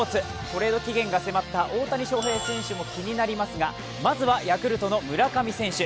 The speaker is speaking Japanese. トレード期限が迫った大谷翔平選手も気になりますがまずはヤクルトの村上選手。